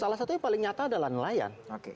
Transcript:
salah satunya paling nyata adalah nelayan